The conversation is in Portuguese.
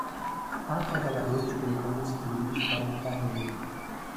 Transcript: Há trabalhadores colocando os trilhos para um carrinho.